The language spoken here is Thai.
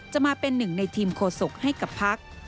จะมาเป็นหนึ่งในทีมโฆษกให้กับพัก